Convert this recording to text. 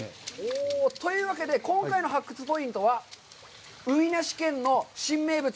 というわけで、今回の発掘ポイントは、「海なし県の新名物！